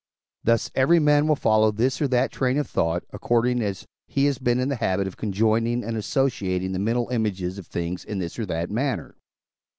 Thus every man will follow this or that train of thought, according as he has been in the habit of conjoining and associating the mental images of things in this or that manner.